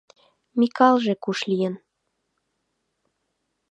Микалже куш лийын?